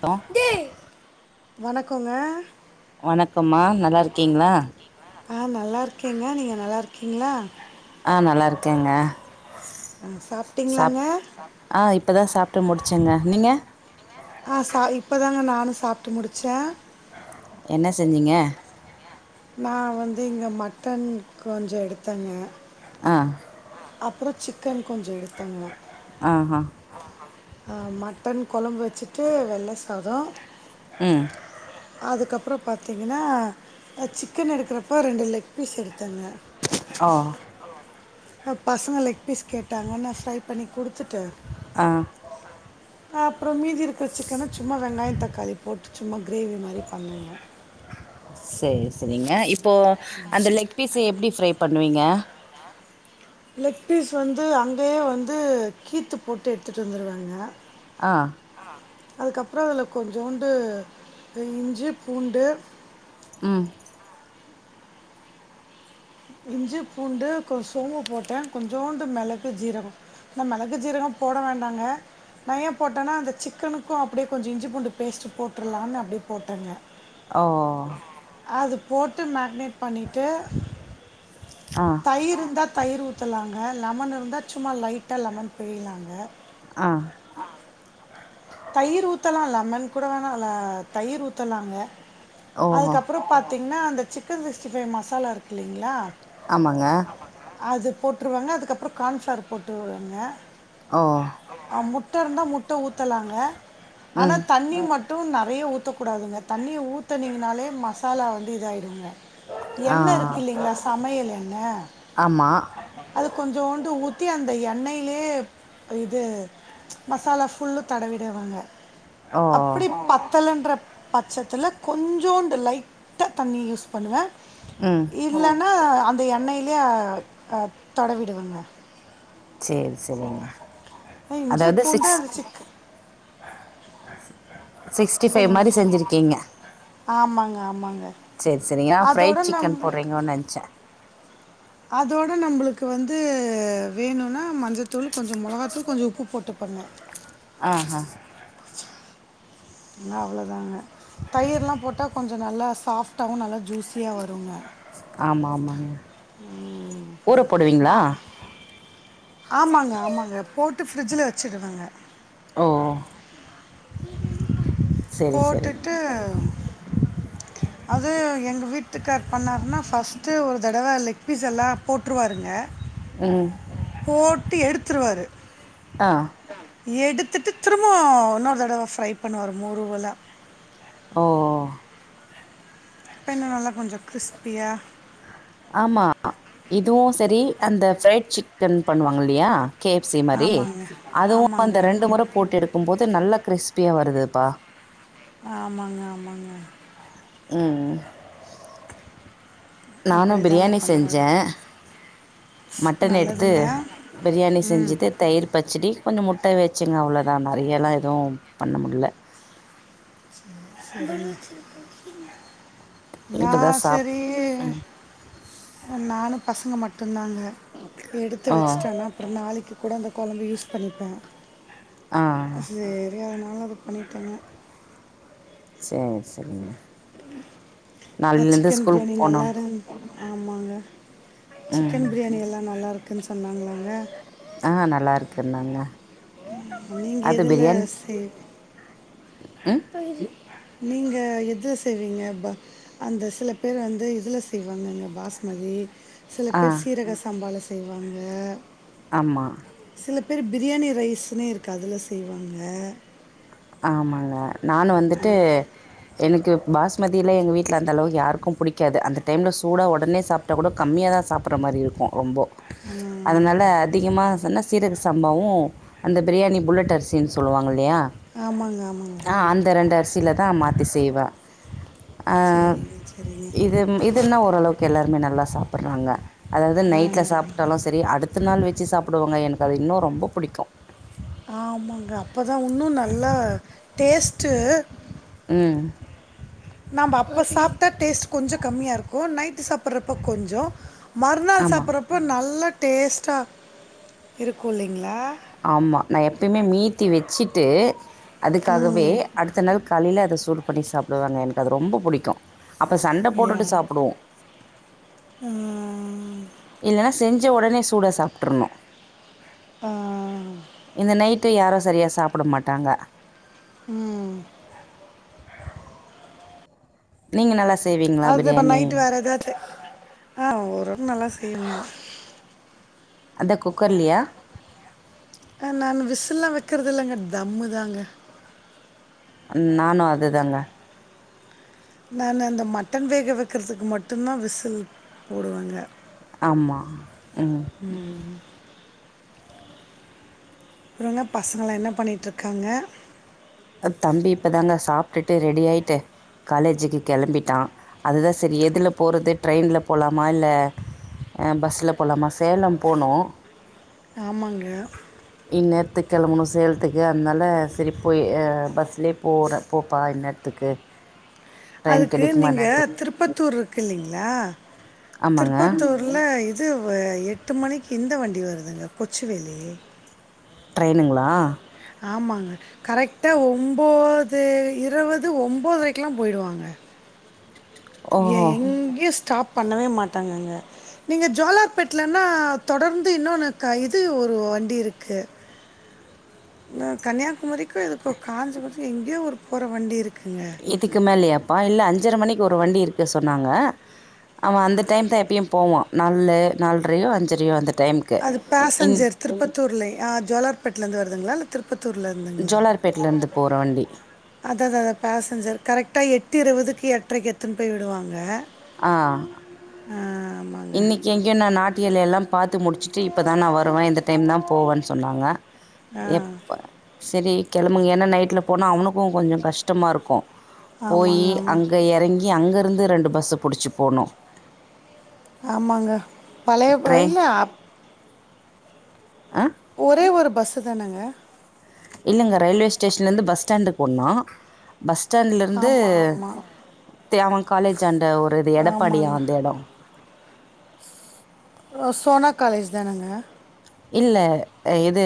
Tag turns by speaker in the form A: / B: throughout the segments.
A: Hello
B: வணக்கங்க
A: வணக்கம்மா நல்லா இருக்கீங்களா
B: ஆ நல்லா இருக்கேங்க நீங்க நல்லா இருக்கீங்களா
A: ஆ நல்லா இருக்கேங்க
B: ஆ,
A: சாப்
B: சாப்பிட்டீங்களாங்க
A: ஆ இப்பதா சாப்ட்டு முடிச்செங்க நீங்க
B: ஆ சா இப்போ தாங்க நானும் சாப்ட்டு முடிச்சே
A: என்ன செஞ்சீங்க
B: நா வந்து இங்க மட்டன் கொஞ்ச எடுத்தேங்க
A: ஆ
B: அப்புற சிக்கன் கொஞ்ச எடுத்தெங்க
A: ஆஹ
B: ஆ மட்டன் கொழம்பு வச்சுட்டு வெள்ள சாதொ
A: ம்
B: அதுக்கப்புற பாத்திங்கன்னா சிக்கன் எடுக்கிறப்போ ரெண்டு லெக் பீஸ் எடுத்தேங்க
A: ஓ
B: பசங்க லெக் பீஸ் கேட்டாங்கன்ன ஃப்ரை பண்ணி குடுத்துட்டே
A: ஆ
B: அப்றோ மீதி இருக்கிற சிக்கன சும்மா வெங்காய தக்காளி போட்டு சும்மா கிரேவி மாரி பண்ணேங்க
A: சேரி சரிங்க இப்போ அந்த லெக் பீஸ எப்டி ஃப்ரை பண்ணுவீங்க
B: லெக் பீஸ் வந்து அங்கயே வந்து கீத்து போட்டு எடுத்துட்டு வந்துருவேங்க
A: ஆ
B: அதுக்கப்புற அதுல கொஞ்சோண்டு இஞ்சி பூண்டு
A: ம்
B: இஞ்சி பூண்டு கொச சோம்பு போட்டே கொஞ்சோண்டு மெளகு ஜீரகம் மெளகு ஜீரகம் போட வேண்டாங்க நா ஏ போட்டேனா அந்த சிக்கனுக்கு அப்டியே கொஞ்ச இஞ்சி பூண்டு பேஸ்ட் போட்றலாம்னு அப்டி போட்டேங்க
A: ஓ
B: அது போட்டு மேங்னேட் பண்ணிட்டு
A: ஆ
B: தயிர் இருந்தா தயிர் ஊத்தலாங்க லெமன் இருந்தா சும்மா லைட்டா லெமன் புளியலாங்க
A: அ
B: தயிர் ஊத்தலா லெமன் கூட வேணால தயிர் ஊத்தலாங்க
A: ஓ
B: அதுக்கப்புறம் பாத்தீங்னா அந்த சிக்கன் சிக்ஸ்டி ஃபைவ் மசாலா இருக்கு இல்லிங்களா
A: ஆமாங்க
B: ஆமாங்க அது போட்ருவெங்க அதுக்கப்புற கார்ன்பிளவர் போட்ருவெங்க
A: ஓ
B: முட்ட இருந்தா முட்ட ஊத்தலாங்க ஆனா
A: ம்
B: தண்ணி மட் டும் நறைய ஊற்றக்கூடாதுங்க தண்ணிய ஊத்துனிங்கனாலே மசாலா வந்து இதாகிடுங்க
A: ஆ
B: எண்ண இருக்குலீங்களா சமையல் எண்ண
A: ஆமா
B: அது கொஞ்சோண்டு ஊத்தி அந்த எண்ணெய் லே இது மசாலா ஃபுல்லு தடவிடுவேங்க
A: ஓ
B: அப்படி பத்தலன்ற பச்சத்துல்ல கொஞ்சோண்டு லைட்டா தண்ணி யூஸ் பண்ணுவே
A: ம்
B: இல்லன்னா அந்த எண்ணெய்லே அ தடவிடுவேங்க
A: சேரி சேரிங்க
B: இஞ்சி
A: அதாவது
B: பூண்டு
A: சிக்ஸ்
B: அந்த சிக்கன்
A: சிக்ஸ்டி ஃபைவ் மாரி
B: சொல்லுங்கள்
A: செஞ்சிருக்கீங்க
B: ஆமாங்க ஆமாங்க
A: சேரி சேரிங்க
B: அதோட
A: ஃரைட் சிக்கன்
B: நம்மளுக்கு
A: போடுறீங்கோன்னு நென்சே
B: அதோட நம்பளுக்கு வந்து வேணும்னா மஞ்சத்தூள் கொஞ்ச மொளகாத்தூள் கொஞ்ச உப்பு போட்டு பொண்ண
A: ஆ ஆ
B: அவ்வளோதாங்க தயிர்லா போட்டா கொஞ்ச நல்லா சாஃப்டாவு நல்லா ஜூஸியா வருங்க
A: ஆமா ஆமாங்க ஊற போடுவீங்களா
B: ஆமாங்க ஆமாங்க போட்டு பிரிஜ்ல வச்சுடுவேங்க
A: ஓ சரி சரி
B: போட்டுட்டு அ அது எங்கள் வீட்டுக்கார் பண்ணாருன்னா ஃபஸ்ட்டு ஒரு தடவ லெக் பீஸ் எல்லா போட்டுருவாருங்க
A: ம்
B: போட்டு எடுத்துருவாரு
A: அ
B: எடுத்துட்டு திரும்ப இன்னொரு தடவ ஃப்ரை பண்ணுவாரு மெறுவல
A: ஓ ஒ
B: சிக்கன்லா நல்லா கொஞ்சோ கிரிஸ்பியா
A: ஆமா இதுவு செரி அந்த ஃப்ரைட் சிக்கன் பண்ணுவாங்க இல்லையா கே எப் சி மாரி
B: ஆமாங்க
A: அதுவு
B: ஆமாங்க
A: அந்த ரெண்டு முற போட்டு எடுக்கும் போது நல்லா கிரிஸ்பியா வருதுப்பா
B: ஆமாங்க ஆமாங்க
A: ம் நானு
B: அப்படிதாங்க
A: பிரியாணி
B: பண்ணுவார்
A: செஞ்சே மட்டன் எடுத்து
B: நல்லதுங்க
A: பிரியாணி
B: ம்
A: செஞ்சிட்டு தயிர் பச்சடி கொஞ்சோ முட்ட வச்சுங்க அவ்ளோ அதா நறையலா எதுவு பண்ண முட்ல
B: நா
A: இப்பதான் சாப்
B: செரி
A: ம்
B: நானு பசங்க மட்டு தா அங்க எடுத்து
A: ஓ
B: வச்சட்டேனா அப்றோ நாளைக் நாளைக் கூட அந்த கொழம்ப யூஸ் பண்ணிப்பே
A: ஆ
B: அதனால அது பண்ணிட்டேங்க
A: சேர் சேரிங்க
B: அ சிக்கன் பிரியாணி நல்லா
A: போணும்
B: இருந் ஆமாங்க
A: ம்
B: சிக்கன் பிரியாணி எல்லா நல்லாருக்குன்னு சொன்னாங்களாங்க
A: அ நல்லா இருக்குன்னாங்க
B: நீங்க எதுல செய்
A: ம்
B: பஹ நீங்க எதுல செய்வீங்க ப அந்த சில பேர் வந்து இதுல செய்வாங்குங்க பாஸ்மதி சில
A: ஆ
B: பேர் சீரக சாம்பால செய்வாங்க
A: ஆமா
B: சில பேர் பிரியாணி ரைஸ்னே இருக்கு அதுல செய்வாங்க
A: ஆமாங்க நானு வந்துட்டு எனக்கு பாஸ்மதில எங்க வீட்டில அந்தளவுக்கு யாருக்கு புடிக்காது அந்தடைம்ல சூடா ஒடனே சாப்டா கூட கம்மியா தா சாப்புட்ற மாரி இருக்கு ரொம்போ
B: ஆ,
A: அதனால அதிகமா சொன்ன சீரக்க சம்பாவு அந்த பிரியாணி புல்லட் அரிசின்னு சொல்லுவாங்க இல்லையா
B: ஆமாங்க, ஆமாங்க.
A: நா அந்த ரெண்டு அரிசியில தா மாத்தி செய்வே ஆ
B: சரிங்க, சரிங்க.
A: இது இதுன்னா ஓரளவுக்கு எல்லாருமே நல்லா சாப்பிட்றாங்க அதாவது நைட்ல சாப்டாலு செரி அடுத்த நாள் வெச்சி சாப்புடுவாங்க எனக்கு அது இன்னு ரொம்ப புடிக்கு
B: ஆமாங்க அப்பதா உன்னு நல்லா டேஸ்ட்டு
A: ம்
B: நம்ப அப்ப சாப்டா டேஸ்ட் கொஞ்சோ கம்மியா இருக்கு நைட் சாப்ப சப்புட்றப்ப கொஞ்சோ மறுநாள்
A: ஆமா.
B: சாப்புட்றப்ப நல்லா டேஸ்ட்டாக இருக்கு இல்லைங்களா
A: ஆமா நான் எப்பயுமே மீத்தி வெச்சிட்டு அதுக்காகவே
B: ம்.
A: அடுத்த நாள் காலையில அத சூடு பண்ணி சாப்புடுவங்க எனக்கு அது ரொம்ப பிடிக்கு அப்ப சண்ட போட்டுட்டு
B: எனக்கு
A: சாப்புடுவோ
B: ம்
A: இல்லன்னா செஞ்ச உடனே சூட சாப்புட்டுருணு
B: ஆ.
A: இந்த நைட் டு யாரு சரியா சாப்பிட மாட்டாங்க
B: ம்
A: நீங்க நல்லா செய்வீங்களா
B: அது இப்ப
A: பிரியாணி?
B: நைட்டு வேற ஏதாச்சி ஆ ஓர்ளவ்கு நல்லா செய்வே
A: அதா குக்கர்லியா
B: அ நானு விசுல்லா வைக்றது இல்லங்க தம்முதாங்க
A: நானு அதேதாங்க
B: நானு அந்த மட்டன் வேக வைக்கிறதுக்கு மட்டு்தா விசில் போடுவேங்க
A: ஆமா ம்
B: அப்றோங்க பசங்களா என்ன பண்ணிட்ருக்காங்க
A: தம்பி இப்பதாங்க சாப்பிட்டுட்டு ரெடி ஆய்ட்டு காலேஜுக்கு கிளம்பிட்டா அதுதா சரி எதுல போறது ட்ரெயின்ல போலாமா இல்ல பஸ்ல போலாமா சேலம் போனு
B: ஆமாங்க
A: கிளம்பணு சேலத்துக்கு அதனால சரி போய் பஸ்லே போற போப்பா இந்நேரத்துக்கு ட்ரெயின்
B: அதுக்கு
A: கிடைக்குமா
B: நீங்க
A: என்னன்னு தெரியும்
B: திருப்பத்தூர் இருக்குலீங்களா
A: ஆமாங்க
B: திருப்பத்தூர்ல இது இது எட்டு மணிக்கு இந்த வண்டி வருதுங்க கொச்சுவேலி
A: ட்ரைனுங்களா
B: ஆமாங்க கரெக்டா ஒம்போது இருவது ஒம்போதரைக்கெலா போயி்டுவாங்க
A: ஓஹோ
B: எங்கயு ஸ்டாப் பண்ணவே மாட்டாங்கங்க நீங்க ஜோாலார்பேட்லன்னா தொடர்ந்து இன்னொன்னு க இது ஒரு வண்டி இருக்கு நா கன்னியாகுமரிக்கு இதுக்கு காஞ்சிபுரத்துக்கு எங்கேயோ ஒரு போற வண்டி இருக்
A: இதுக்கு மேலயாப்பா இல்ல அஞ்சர மணிக்கு ஒரு வண்டி இருக்கு சொன்னாங்க ஆமா அந்த டைம் தா எப்பயும் போவா நால்லு நால்ரயோ அஞ்சரேயோ அந்த டைமுக்கு
B: அது
A: இன்
B: பேசஞ்சர் திருப்பத்தூர்ல ஆ ஜோலார்பேட்ல இருந்து வருதுங்களா இல்ல திருப்பத்தூர்ல இருந்துங்களா
A: ஜோலார்பேட்லேருந்து போகிற வண்டி
B: அதா அதா பெசஞ்சர் கரெக்டா எட் நூத்தி இருவதுக்கு எட்ரைக்கு எத்துன்னு போய் விடுவாங்க
A: ஆ
B: ஆ, ஆமாங்க
A: இன்னிக்கு எங்கயோ ந நாட் டியலேல பாத்து முடிச்சுட்டு இப்போ தா நா வருவே இந்த டைம் தா போவன்னு சொன்னாங்க
B: ஆ
A: எப்ப சரி கிழம்புங்க ஏன்னா நைட்ல போனா அவனுக்கு கொஞ்சோ கஷ்டமா இருக்கு போயி
B: ஆமாங்க ஆமாங்க
A: அங்க இறங்கி அங்க இருந்து ரெண்டு பஸ்ஸு புடிச்சு போனு
B: ஆமாங்க பழைய இல்ல
A: ஆ
B: ஒரே ஒரு பஸ்ஸு தானங்க
A: இல்லங்க ரயில்வே ஸ்டேஷன்ல இருந்து பஸ் ஸ்டாண்டுக்கு ஒண்ணா பஸ் ஸ்டாண்டு்ல இருந்து
B: ஆமாம் ஆமாம்
A: தே அவ காலேஜ் ஆன்ட ஒரு இது எடப்பாடியா
B: ஆமாங்க
A: அந்த இடோ
B: ஓ சோனா காலேஜ் தானங்க
A: இல்ல இது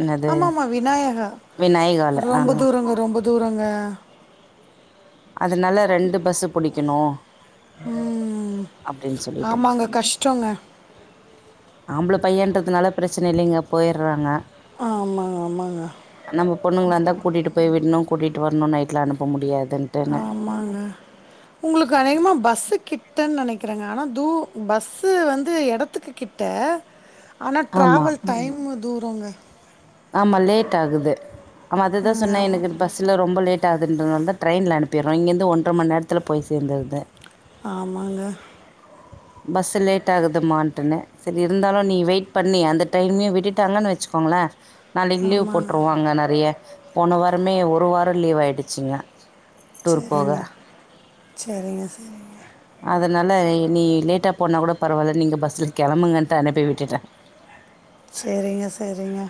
A: என்னது
B: ஆமாமா விநாயகா
A: விநாயகால ஆ
B: ரொம்ப தூரங்க ரொம்ப தூரங்க
A: அதுனால ரெண்டு பஸ்சு பிடிக்கணு
B: ம் ஆமாங்க கஷ்டோங்க
A: ஆம்பள பையன்றதுனால பிரச்சனயில்லைங்க போயிர்றாங்க
B: ஆமாங்க ஆமாங்க
A: நம்ம பொண்ணுங்களாருந்தா கூட்டிட்டு போய் விட்ணும் கூட்டிட் ட்டு வரணும் நைட்ல அனுப்ப முடியாது
B: ஆமாங்க உங்களுக்கு அநேகமா பஸ்சுக் கிட்டன்னு நெனைக்கிறேங்க ஆனா தூ பஸ்ஸு வந்து எடத்துக்கு கிட்ட ஆனா ட்ரவல் டைமு தூரங்க
A: ஆமா லேட்டாகுது ஆமா அதுதா
B: ம்
A: சொன்னே
B: ஆமாம்
A: எனக்கு பஸ்ல ரொம்ப லேட் ஆகுதுன்றதுனால தா ட்ரெயின்ல அனுப்பிர்றோ இங்கருந்து ஒன்ட்ற மண் நேரத்துல போய் சேந்திருது
B: ஆமாங்க
A: பஸ்ஸு லேட் ஆகுதுமான்ட்டுன்னு சரியிருந்தாலு நீ வெயிட் பண்ணி அந்த டைம்மயு விட்டுட்டாங்கன்னு வச்சுக்கோ ங்களே நாளிக்கு லீவ்
B: ஆமாங்க
A: போட்டுருவாங்க நெறைய போன வாரமே ஒரு வாரோ லீவ் ஆயிடுச்சிங்க
B: சேரிங்க செரிங்க செரிங்க
A: அதனால நீ லேட்டா போனா கூட பரவால்ல நீங்க பஸ்ல கெளம்புங்கன்ட்டு அனுப்பி விட்டுட்ட ஹ் [inaudible]
B: செரிங்க செரிங்க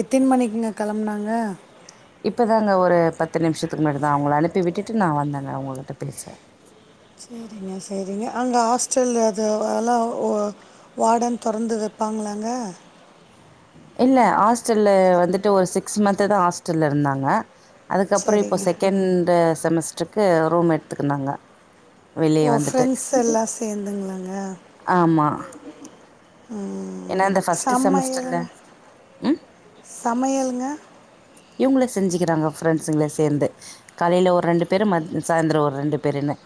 B: எத்தின் மணிக்குங்க கெளம்னாங்க
A: இப்பதாங்க ஒரு பத்து நிமிஷத்துக்கு முன்னாடி தா அவுங்கள அனுப்பி விட்டுட்டு நா வந்தங்க உங்ககிட்ட பேச
B: சேரிங்க செரிங்க அங்க ஹாஸ்டல் அது அதெலா ஓ வாடன் தொறந்து வே பாங்ளாங்க
A: [inaudible] இல்ல ஹாஸ்டல்ல வந்துட்டு ஒரு சிக்ஸ் மந்துதா ஹாஸ்டல்லருந்தாங்க அதுக்கப்றோ இப்போ
B: சரிங்க
A: செகண்டு செமஸ்டர்க்கு ரூம் எடுத்துக்குனாங்க வெளிய
B: ஓ
A: வந்துட்ட
B: ஃப்ரெண்ட்ஸ் எல்லாம் சேர்ந்துங்களாங்க
A: ஆமா
B: ம் சமையல்
A: செமஸ்டரில் ம்
B: சமையலுங்க
A: இவுங்ளே செஞ்சிக்கிறாங்க ஃப்ரெண்ட்ஸுங்ளே சேந்து காலையில ஒரு ரெண்டு பேரு மத் சாயந்தரோ ஒரு ரெண்டு பேருன்னு [inaudible]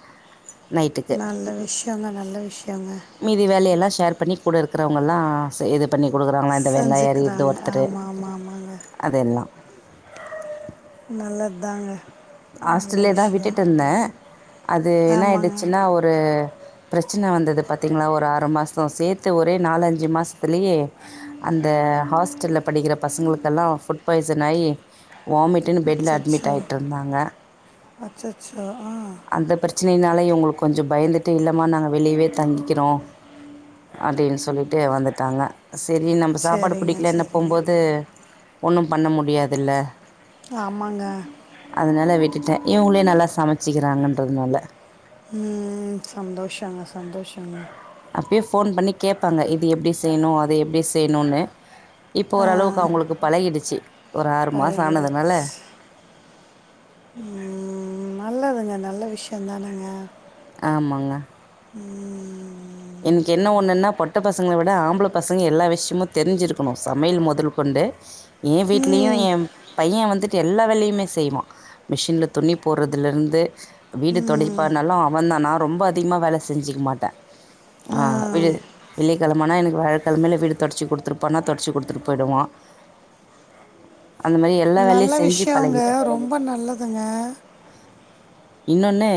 B: நல்ல விஷ்யங்க நல்ல விஷ்யங்க
A: மீதி வேலையெல்லா ஷேர் பண்ணி கூடருக்கிறவங்கெல்லா செய்து பண்ணி குடுக்கறாங்ளா இந்த வெங்காய அரியிற்து
B: செஞ்சுக்கிறாங்க
A: ஒர்த்தரு
B: ஆமாம் ஆமாம் ஆமாங்க
A: அதெல்லா
B: நல்லதாங்க
A: ஹாஸ்டல்லேயேதா விட்டுட்ருந்தே அது என்ன
B: ஆமாங்க
A: ஆயிடுச்சின்னா ஒரு பிரச்சன வந்தது பாத்திங்ளா ஒரு ஆறு மாசோ சேத்து ஒரே நாலஞ்சி மாசத்திலியே அந்த அ ஹாஸ்டல்ல படிக்கிற பசங்களுக்கெல்லா ஃபுட் பாய்சனாயி வாமிட்டுனு பெட்ல அட்மி்ட்டாயிட்ருந்தாங்க
B: அச்சச்
A: அந்த பிரச்சனைனால இவுங்களுக் கொஞ்ச பயந்துட்டு இல்லமா நாங்க வெளியவே தங்கிக்கிறோ அப்டின் சொல்லிட்டு வந்துட்டாங்க செரி நம்ப சாப்பாடு
B: சரிங்க
A: புடிக்கலன்ன
B: சரிங்க
A: போபோது ஒண்ணு பண்ண முடியாதில்ல
B: ஆமாங்க
A: இவுங்ளே நல்லா சமச்சிக்கிறாங்கன்றத்னால
B: ம் சந்தோஷங்க சந்தோஷங்க
A: அப்பியே ஃபோன் பண்ணி கேப்பாங்க இது எப்டி செய்னு அது எப்டி செய்னுனு இப்ப ஓரளவுக்கு அவுங்களுக்கு பழகிடுச்சி ஒரு ஆறு மாச ஆனதுனால
B: பழகிடுச்சு ம் நல்லதுங்க நல்ல விஷ்ய தானங்க
A: ஆமாங்க
B: ம்
A: எனக்கு என்ன ஒண்ணுனா பொட்ட பசங்கள விட ஆம்பள பசங்க எல்லா விஷ்யமு தெரிஞ்சிருக்கனு சமையல் மொதல் கொண் டு எ வீட்லயு எ பைய வந்துட் டு எல்லா வேலையுமே செய்வா மிஷின்ல துணி போற்றதுலருந்து வீடு தொடைப்பா நல்லா அவந்தா நா ரொம்ப அதிகமா வேல செஞ்சிக்க மாட்ட ஆ விடு வெள்ளிக்கெழ மனா எனக்கு வியாழக் கெழமைல வீடு தொடச்சு குடுத்துருப்பா தொடச்சு குடுத்துட்டு போய்டுவா அந்த மாரி எல்லா வேலையு
B: நல்ல
A: செஞ்சி
B: விஷயங்க
A: பழகிட்டா
B: ரொம்ப நல்லதுங்க
A: இன்னொன்னு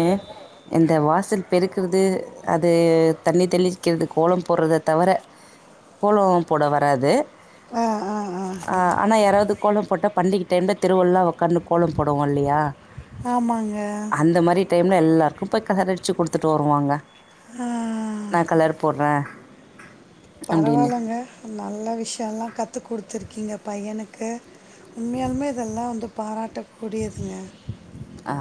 A: இந்த வாசல் பெருக்குறது அது தண்ணி தெளிக்கிறது கோல போட்றத தவிர கோலோ போட வராது
B: ஆ ஆ
A: ஆ ஆனா யாரவது கோல போட்டா பண்டிக டைம்ல தெருவெல்லா ஒக்காந்துனு கோல போடுவோ இல்லையா
B: ஆமாங்க
A: ன்மே எல்லாருக்கு போய் கலர் அடிச்சி குடுத்துட்டு வருவாங்க
B: ஆ
A: நா கலர் போட்ற
B: பரவால்லங்க நல்ல விஷயல்லா கத்து கொடுத்துருக்கீங்க பையனுக்கு உண்மையாலுமே இதெல்லா வந்து பாராட்டக் கூடியதுங்க
A: ஆ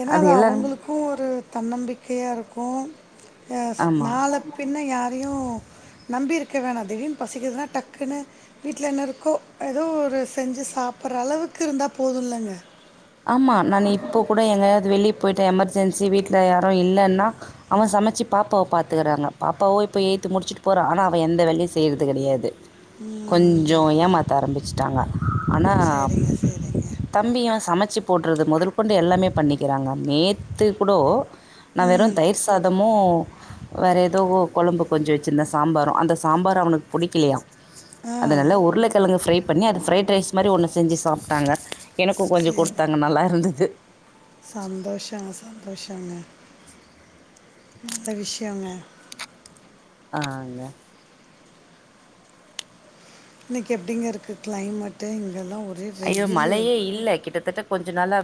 B: ஏன்னா அது அவங்களுக்கு ஒரு தன்னம்பிக்கையா இருக்கு ஆ
A: ஆமா.
B: நாள பின் ன்ன யாரையு நம்பி இருக்க வேணா திடீர்னு பசிக்குதுன்னா டக்குன்னு வீட்ல என்ன இருக்கோ எதோ ஒரு செஞ்சு சாப் புற அளவுக்கு இருந்தா போதுலங்க
A: வெளியே போயிட்ட எமர்ஜென்சி வீட்ல யாரு இல்லன்னா அவ சமைச்சி பாப்பாவ பாத்துக்கிறாங்க பாப்பாவோ இப்ப எய்ட்த்து முடிச்சிட்டு போறா ஆனா அவ எந்த வேலையு செய்யறது கடையாது கொஞ்ச ஏமாத்த ஆரம்பிச்சிட்டாங்க ஆனா
B: சரிங்க சரிங்க
A: தம்பியு சம விச்சு போட்றது முதல் கொண்டு எல்லாமே பண்ணிக்கிறாங்க நேத்து குடோ நா வெறு
B: ம்
A: தயிர் சாதமு வேற எதோ கொழம்பு கொஞ்ச வச்சிருந்தே சாம்பாரு அந்த சாம்பார அவனுக்கு புடிக்கலையா
B: ஆ
A: அதனால உருளைக்கிழங்கு ஃப்ரை பண்ணி அது பிரைட் ரைஸ் மாரி ஒன்னு செஞ்சு சாப்ட்டாங்க எனக்கு கொஞ்ச
B: சரி
A: கொடுத் வருந்தது
B: சந்தோஷங்க சந்தோஷங்க நல்ல விஷயங்க
A: ஆ ங்க
B: இன்னைக்கு எப்டிங்க இருக்கு கிளைமேட்டு இங்கெல்லாம் ஒரே
A: ஐயோ
B: வெயில்
A: மழையே இல்ல கிட்டத்தட்ட கொஞ்ச நாளா